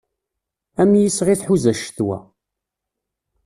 Am yisɣi tḥuza ccetwa.